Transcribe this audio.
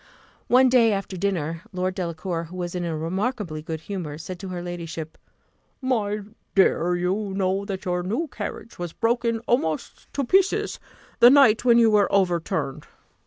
One day after dinner, Lord Delacour, who was in a remarkably good humour, said to her ladyship, "My dear, you know that your new carriage was broken almost to pieces the night when you were overturned.